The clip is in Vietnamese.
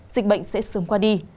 dịch bệnh sẽ sớm qua đi